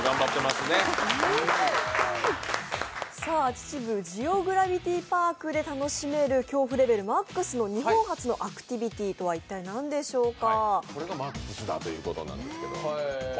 秩父ジオグラビティパークで楽しめる恐怖レベルマックスの日本発のアクティビティとは一体何でしょうか。